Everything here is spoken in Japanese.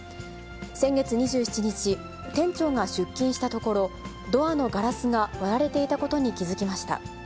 先月２７日、店長が出勤したところ、ドアのガラスが割られていたことに気付きました。